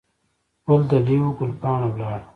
ګل دلې وو، ګل پاڼه ولاړه.